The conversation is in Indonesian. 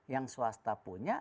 yang swasta punya